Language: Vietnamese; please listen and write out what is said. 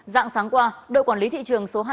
dạng sáng qua đội quản lý thị trường số hai mươi bốn